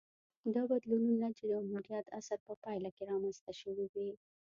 دا بدلونونه د جمهوریت عصر په پایله کې رامنځته شوې وې